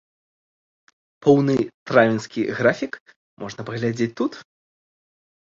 Поўны травеньскі графік можна паглядзець тут.